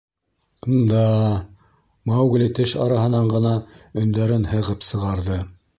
— М-да, — Маугли теш араһынан ғына өндәрен һығып сығарҙы.